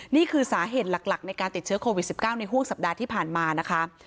นี่คือสาเหตุหลักในการติดเชื้อโควิด๑๙ในห่วงสัปดาห์ที่ผ่านมานะคะ